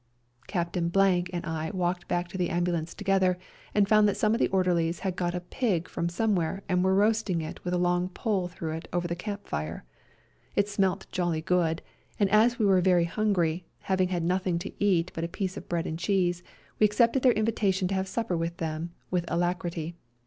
Captain and I walked back to the ambulance together and found that some of the orderlies had got a pig from some where and were roasting it with a long 44 A SERBIAN AMBULANCE pole through it over the camp fire : it smelt jolly good, and as we were very hungry, having had nothing to eat but a piece of bread and cheese, we accepted their invitation to have supper with them with alacrity.